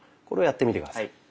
これをやってみて下さい。